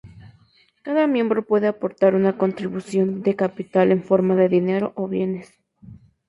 Cada miembro puede aportar una contribución de capital en forma de dinero o bienes.